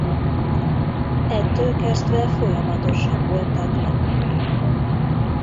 Ettől kezdve folyamatosan voltak lakói.